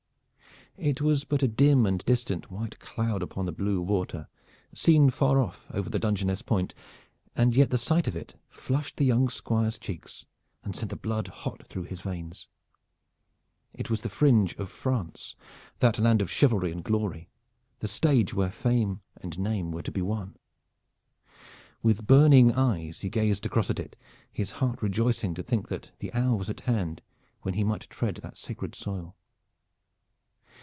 It was but a dim and distant white cloud upon the blue water seen far off over the Dungeness Point, and yet the sight of it flushed the young Squire's cheeks and sent the blood hot through his veins. It was the fringe of France, that land of chivalry and glory, the stage where name and fame were to be won. With burning eyes he gazed across at it, his heart rejoicing to think that the hour was at hand when he might tread that sacred soil.